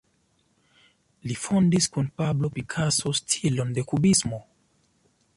Li fondis kun Pablo Picasso stilon de kubismo.